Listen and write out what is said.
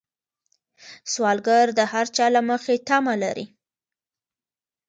سوالګر د هر چا له مخې تمه لري